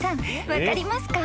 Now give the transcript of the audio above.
分かりますか？